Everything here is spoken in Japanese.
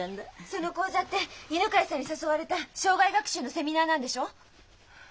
その講座って犬飼さんに誘われた生涯学習のセミナーなんでしょ？